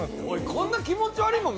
こんな気持ち悪いもの